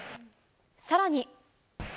さらに。